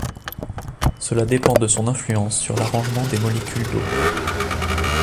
Cela dépend de son influence sur l'arrangement des molécules d'eau.